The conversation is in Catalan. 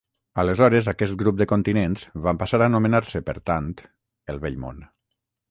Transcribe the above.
Aleshores aquest grup de continents van passar a anomenar-se, per tant, el Vell Món.